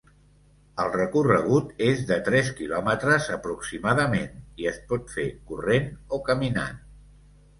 El recorregut és de tres quilòmetres aproximadament i es pot fer corrent o caminant.